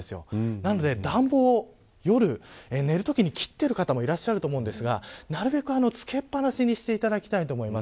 なので暖房を夜寝るときに切っている方もいらっしゃると思うんですがなるべく、つけっぱなしにしていただきたいと思います。